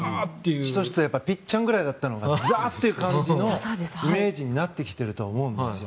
しとしと、ぴちゃんぐらいだったのがザーっていうイメージになってきていると思うんですよ。